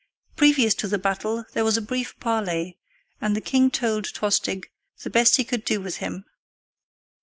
Previous to the battle there was a brief parley, and the king told Tostig the best he could do with him.